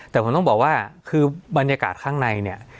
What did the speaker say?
แต่ผมต้องบอกว่าคือบรรยากาศข้างในเนี่ย